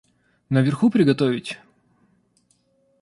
Наверху приготовить?